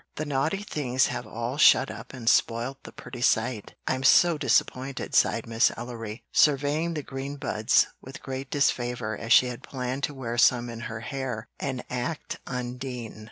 "The naughty things have all shut up and spoilt the pretty sight; I'm so disappointed," sighed Miss Ellery, surveying the green buds with great disfavor as she had planned to wear some in her hair and act Undine.